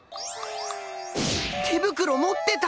手袋持ってた！